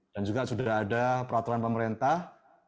dan juga sudah ada peraturan pemerintah